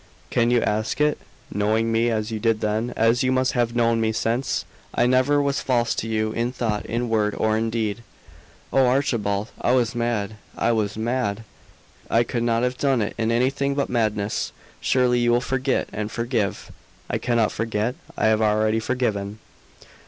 "Can you ask it, knowing me as you did then, as you must have known me since? I never was false to you in thought, in word, or in deed." "Oh, Archibald, I was mad I was mad! I could not have done it in anything but madness. Surely you will forget and forgive!" "I cannot forget. I have already forgiven!"